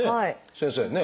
先生ね。